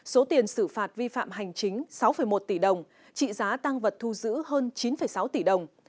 số tiền xử phạt vi phạm hành chính sáu một tỷ đồng trị giá tăng vật thu giữ hơn chín sáu tỷ đồng